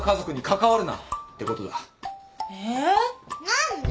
何で！